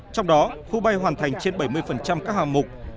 trong đó khu bay hoàn thành trên bảy mươi các hàng mục